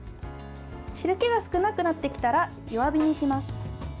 汁けが少なくなってきたら弱火にします。